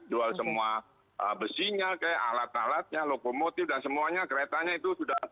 jual semua besinya kayak alat alatnya lokomotif dan semuanya keretanya itu sudah